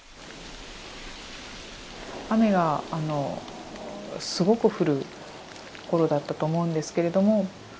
雨がすごく降る頃だったと思うんですけれども。